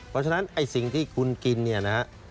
เพราะฉะนั้นสิ่งที่คุณกินนะครับ